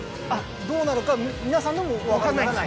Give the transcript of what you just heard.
どうなるかは皆さんでも分からないと。